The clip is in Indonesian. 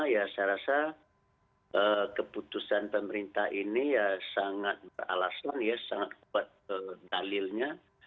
ya saya rasa keputusan pemerintah ini ya sangat beralasan ya sangat kuat dalilnya